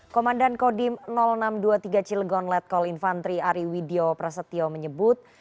komandan kodim enam ratus dua puluh tiga cilegon letkol infantri ari widyo prasetyo menyebut